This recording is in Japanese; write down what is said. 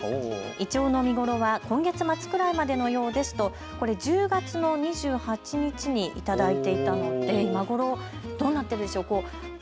イチョウの見頃は今月末くらいまでのようですと１０月の２８日に頂いていたので今頃どうなっているのでしょうか。